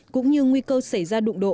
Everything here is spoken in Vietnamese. cũng như nguy cơ xảy ra đụng độ